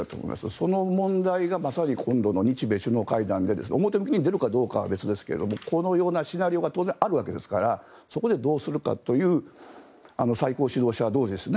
その問題がまさに今度の日米首脳会談で表向きに出るかどうかは別ですがこのようなシナリオが当然、あるわけですからそこでどうするかという最高指導者同士ですね。